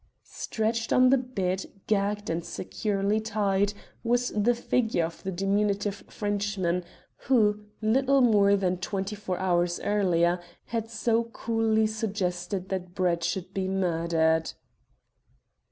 Stretched on the bed, gagged and securely tied, was the figure of the diminutive Frenchman, who, little more than twenty four hours earlier, had so coolly suggested that Brett should be murdered.